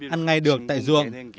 ăn ngay được tại ruộng